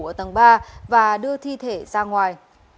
ở tầng ba và đưa thi thể ra ngoài